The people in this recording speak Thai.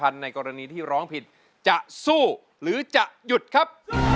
ในกรณีที่ร้องผิดจะสู้หรือจะหยุดครับ